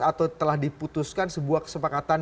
atau telah diputuskan sebuah kesepakatan